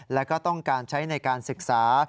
แล้วก็ต้องการใช้ในการศึกษา